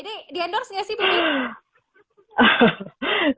ini di endorse nggak sih